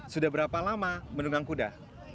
sudah berapa lama menunggang kuda